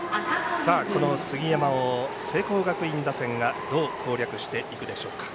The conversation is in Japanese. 杉山を聖光学院打線がどう攻略していくでしょうか。